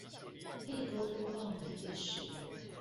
可以溝通到免費使用